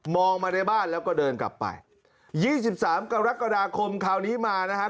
องมาในบ้านแล้วก็เดินกลับไปยี่สิบสามกรกฎาคมคราวนี้มานะครับ